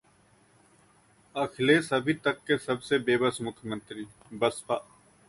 अखिलेश अभी तक के सबसे बेबस मुख्यमंत्री: बसपा